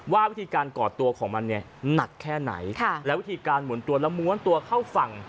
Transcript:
ว่าวิธีการก่อตัวของมันเนี่ยหนักแค่ไหนแล้ววิธีการหมุนตัวแล้วม้วนตัวเข้าฝั่ง